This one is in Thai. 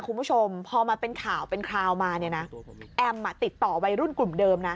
คุณผู้ชมพอมาเป็นข่าวเป็นคราวมาเนี่ยนะแอมอ่ะติดต่อวัยรุ่นกลุ่มเดิมนะ